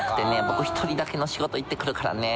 僕１人だけの仕事行ってくるからね